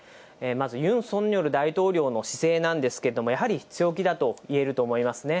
まずユン・ソンニョル大統領の姿勢なんですけども、やはり強気だと言えると思いますね。